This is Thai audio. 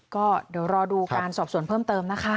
ก็เดี๋ยวรอดูการสอบส่วนเพิ่มเติมนะคะ